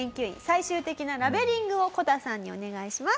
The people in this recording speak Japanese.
最終的なラベリングをこたさんにお願いします。